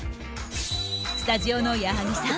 スタジオの矢作さん